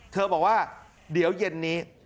เธอบอกว่าเดี๋ยวเย็นนี้